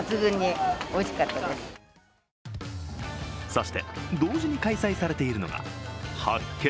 そして同時に開催されているのが発見！